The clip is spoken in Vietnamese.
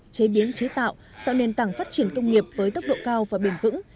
chế biến chế tạo tạo nền tảng phát triển công nghiệp với tốc độ cao và bền vững